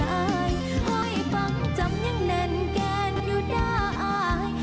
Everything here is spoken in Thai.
เสล่าอร้อยบังจำยังแนนแกนอยู่ใด